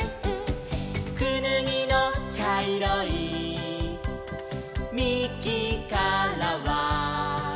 「くぬぎのちゃいろいみきからは」